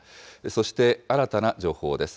そして新たな情報です。